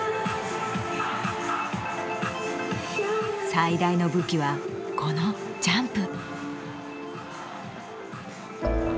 最大の武器はこのジャンプ。